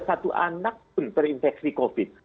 satu anak pun terinfeksi covid